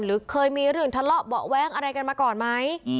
หรือเคยมีเรื่องทะเลาะเบาะแว้งอะไรกันมาก่อนไหม